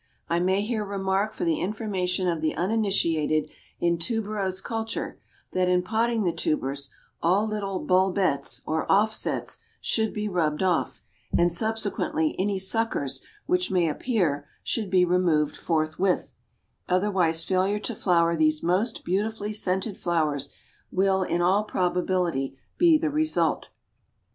I may here remark for the information of the uninitiated in tuberose culture, that in potting the tubers all little bulbets or offsets should be rubbed off, and subsequently any suckers which may appear should be removed forthwith, otherwise failure to flower these most beautifully scented flowers will, in all probability be the result.